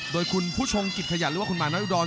โดยคุณผู้ชงกิจขยันหรือว่าคุณหมาน้อยอุดร